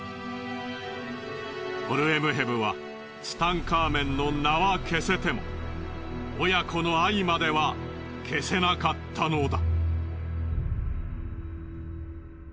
ホルエムヘブはツタンカーメンの名は消せても親子の愛までは消せなかったのだ。